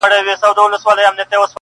دغه دی ويې گوره دا لونگ ښه يمه~